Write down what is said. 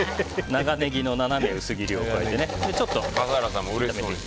長ネギの斜め薄切りを加えてちょっと炒めます。